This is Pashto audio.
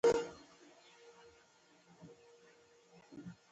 د کابل ښار د تاریخ، هنر او امید ګډ رنګ لري.